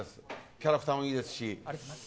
キャラクターもいいですし。